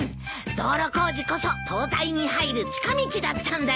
道路工事こそ東大に入る近道だったんだよ。